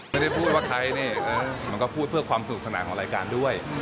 ไม่ได้พูดว่าใครนี่มันก็พูดเพื่อความสนุกสนานของรายการด้วย